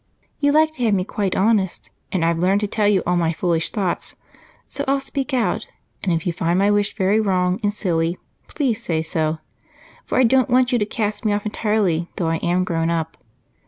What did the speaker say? "You like to have me quite honest, and I've learned to tell you all my foolish thoughts so I'll speak out, and if you find my wish very wrong and silly, please say so, for I don't want you to cast me off entirely, though I am grown up.